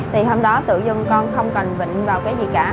thì hôm đó tự dung con không cần vịnh vào cái gì cả